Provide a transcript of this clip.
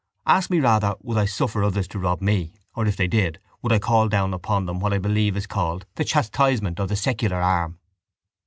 Ask me rather would I suffer others to rob me or, if they did, would I call down upon them what I believe is called the chastisement of the secular arm?